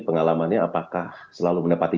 pengalamannya apakah selalu mendapati